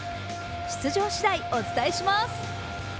出場しだい、お伝えします。